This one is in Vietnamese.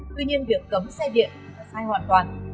tuy nhiên việc cấm xe điện là sai hoàn toàn